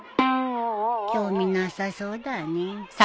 興味なさそうだね。